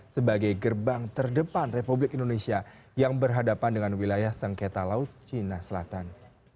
sebagai gerbang terdepan republik indonesia yang berhadapan dengan wilayah sengketa laut cina selatan